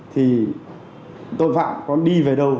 thì tội phạm còn đi về đâu